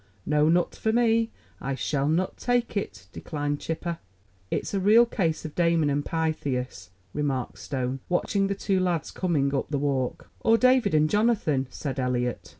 "No, nut for me; I shell nut take it," declined Chipper. "It's a real case of Damon and Pythias," remarked Stone, watching the two lads coming up the walk. "Or David and Jonathan," said Eliot.